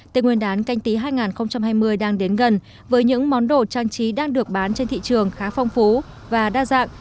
tên nguyên đán canh tí hai nghìn hai mươi đang đến gần với những món đồ trang trí đang được bán trên thị trường khá phong phú và đa dạng